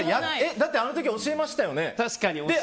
だってあの時教えましたよね？